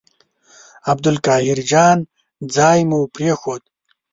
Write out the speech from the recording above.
عبدالقاهر جان ځای مو پرېښود.